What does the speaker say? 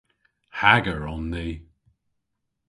Hager on ni.